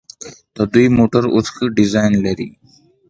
د دوی موټرې اوس ښه ډیزاین لري.